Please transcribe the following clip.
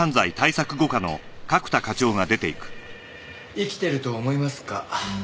生きてると思いますか？